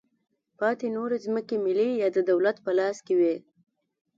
پاتې نورې ځمکې ملي یا د دولت په لاس کې وې.